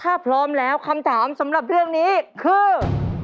ถ้าพร้อมแล้วคำถามสำหรับเรื่องนี้คือ